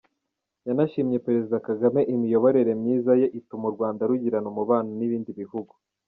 Yanashimye Perezida Kagame imiyoborere myiza ye, ituma u Rwanda rugirana umubano n’ibindi bihugu.